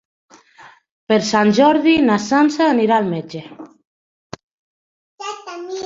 Per Sant Jordi na Sança anirà al metge.